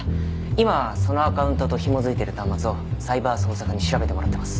今そのアカウントと紐付いてる端末をサイバー捜査課に調べてもらってます。